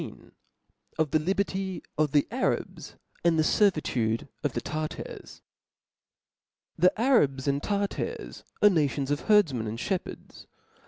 Of the Liberty of the Arabs, and the Ser vitude of the Tartars. 'T^'H E Arabs and Tartars are nations of herdf ■■' men and (hepherds.